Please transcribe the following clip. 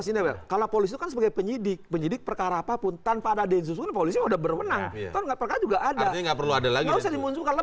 tapi kalau fokus ke korupsi bagaimana